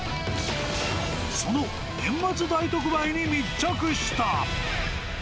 その年末大特売に密着した。